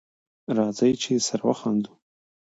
راځی چی سره وخاندو